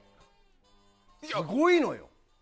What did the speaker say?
すごいのよ。